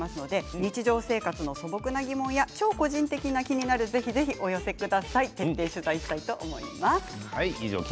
日常生活の素朴な疑問や超個人的な「キニナル」をお寄せください。